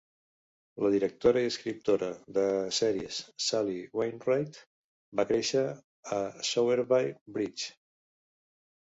La directora i escriptora de sèries Sally Wainwright va créixer a Sowerby Bridge.